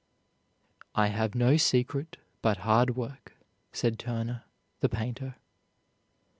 "I have no secret but hard work," said Turner, the painter.